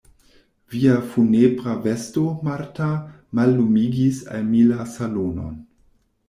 Via funebra vesto, Marta, mallumigis al mi la salonon.